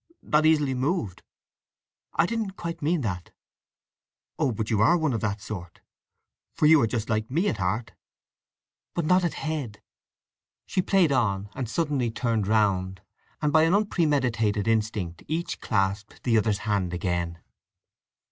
"Not easily moved?" "I didn't quite mean that." "Oh, but you are one of that sort, for you are just like me at heart!" "But not at head." She played on and suddenly turned round; and by an unpremeditated instinct each clasped the other's hand again.